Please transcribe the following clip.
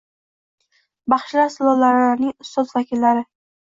Baxshilar sulolalarining ustoz vakillari